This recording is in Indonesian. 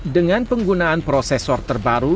dengan penggunaan prosesor terbaru